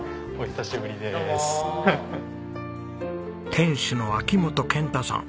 店主の秋元健太さん。